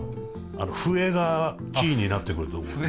あの笛がキーになってくると思うよ。